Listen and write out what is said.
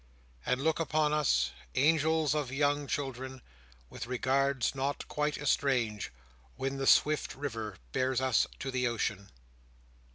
And look upon us, angels of young children, with regards not quite estranged, when the swift river bears us to the ocean!